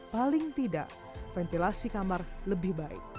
paling tidak ventilasi kamar lebih baik